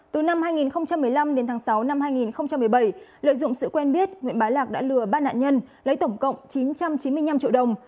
từ năm hai nghìn một mươi năm đến tháng sáu năm hai nghìn một mươi bảy lợi dụng sự quen biết nguyễn bá lạc đã lừa ba nạn nhân lấy tổng cộng chín trăm chín mươi năm triệu đồng